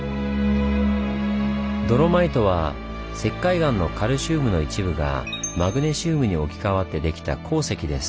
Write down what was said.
ドロマイトは石灰岩のカルシウムの一部がマグネシウムに置き換わってできた鉱石です。